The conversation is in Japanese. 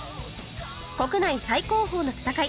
国内最高峰の戦い